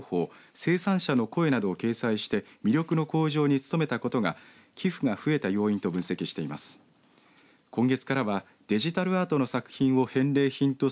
生産者の声などを掲載して魅力の向上に努めたことが寄付が増えた要因と分析しています。